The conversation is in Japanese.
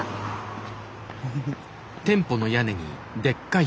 フフフ。